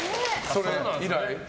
それ以来？